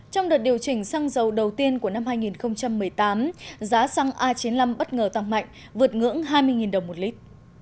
trong đợt điều chỉnh xăng dầu đầu tiên của năm hai nghìn một mươi tám giá xăng a chín mươi năm bất ngờ tăng mạnh vượt ngưỡng hai mươi đồng một lít